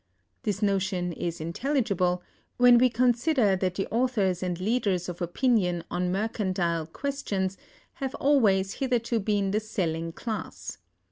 This notion is intelligible, when we consider that the authors and leaders of opinion on mercantile questions have always hitherto been the selling class.